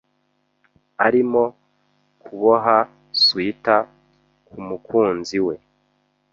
Arimo kuboha swater kumukunzi we.